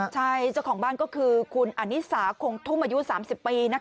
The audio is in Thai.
ใช่เจ้าของบ้านก็คือคุณอนิสาคงทุ่มอายุสามสิบปีนะคะ